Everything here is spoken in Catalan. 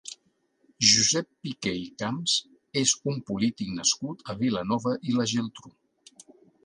Josep Piqué i Camps és un polític nascut a Vilanova i la Geltrú.